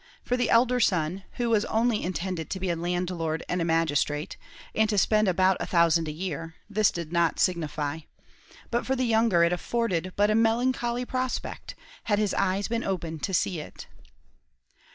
For the elder son, who was only intended to be a landlord and a magistrate, and to spend about a thousand a year, this did not signify; but for the younger it afforded but a melancholy prospect, had his eyes been open to see it.